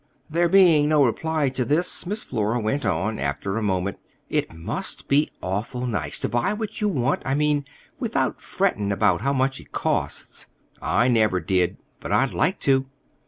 There being no reply to this, Miss Flora went on after a moment. "It must be awful nice—to buy what you want, I mean, without fretting about how much it costs. I never did. But I'd like to."